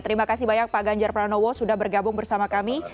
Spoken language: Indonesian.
terima kasih banyak pak ganjar pranowo sudah bergabung bersama kami